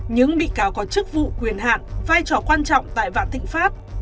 những bị cáo có chức vụ quyền hạn vai trò quan trọng tại vạn thịnh pháp